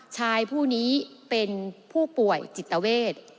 ชายผู้นี้เป็นผู้ป่วยจิตเวท